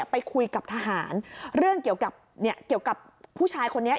ไปคุยกับทหารเรื่องเกี่ยวกับผู้ชายคนนี้